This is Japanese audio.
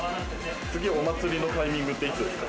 次、お祭りのタイミングっていつですか？